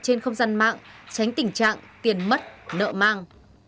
trên không gian mạng tránh tình trạng tiền mất nợ mang